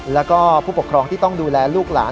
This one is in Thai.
แล้วก็ผู้ปกครองที่ต้องดูแลลูกหลาน